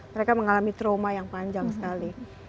mereka mengalami trauma yang panjang sekali